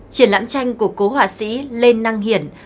triển lãm tranh của cố họa sĩ lê năng hiển